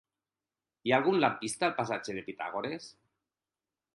Hi ha algun lampista al passatge de Pitàgores?